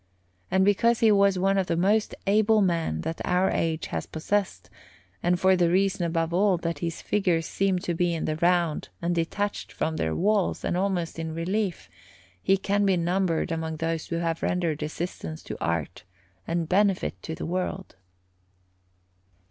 And because he was one of the most able men that our age has possessed, and for the reason, above all, that his figures seem to be in the round and detached from their walls, and almost in relief, he can be numbered among those who have rendered assistance to art and benefit to the world.